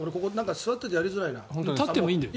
座ってるからやりづらいな。